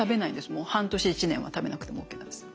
もう半年１年は食べなくてもＯＫなんですよ。